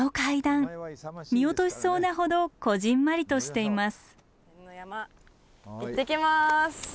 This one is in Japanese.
見落としそうなほどこぢんまりとしています。